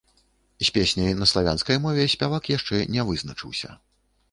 З песняй на славянскай мове спявак яшчэ не вызначыўся.